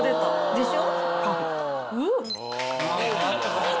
でしょ？